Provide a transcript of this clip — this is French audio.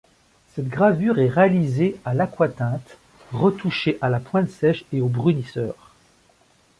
Cette gravure est réalisée à l'aquatinte, retouchée à la pointe sèche et au brunisseur.